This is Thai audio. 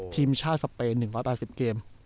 ทีมชาติสเปน๑๘๐เกม